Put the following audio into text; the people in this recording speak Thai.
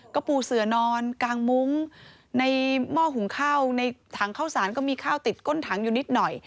ก็ปูเสือนอนกลางมุ้งในหม้อหุงข้าวในถังเข้าสารก็มีข้าวติดก้นถังอยู่นิดหน่อย